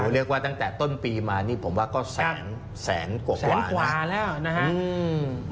เรียกว่าตั้งแต่ต้นปีมาผมว่าก็แสนกว่าแล้วนะครับ